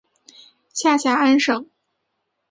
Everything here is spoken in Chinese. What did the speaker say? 下辖安省。